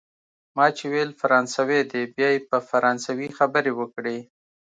ما چي ویل فرانسوی دی، بیا یې په فرانسوي خبرې وکړې.